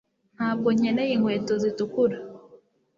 ntabwo nkeneye inkweto zitukura